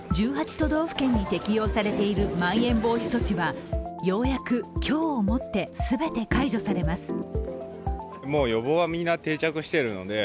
都道府県に適用されているまん延防止措置は、ようやく今日をもって全て解除されます。